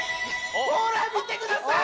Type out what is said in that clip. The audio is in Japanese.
ほら見てください！